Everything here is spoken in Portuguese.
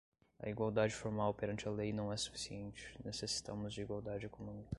A igualdade formal perante a lei não é suficiente, necessitamos de igualdade econômica